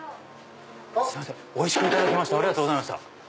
おいしくいただきましたありがとうございました。